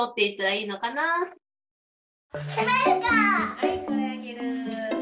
はいこれあげる。